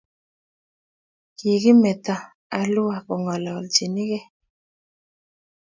Ki kimeto alua kongololchinikei